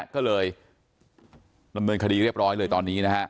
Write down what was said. ก็เลยดำเนินคดีเรียบร้อยเลยตอนนี้นะฮะ